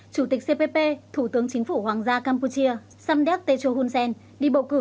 chủ tịch cpp thủ tướng chính phủ hoàng gia campuchia samdek techo hunsen đi bầu cử